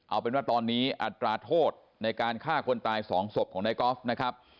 เอาเป็นว่าตอนนี้อัตราโทษในการฆ่าคนตายสองศพของนายกอล์ฟนะครับ